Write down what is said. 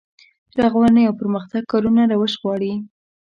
رغونې او پرمختګ کارونه روش غواړي.